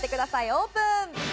オープン！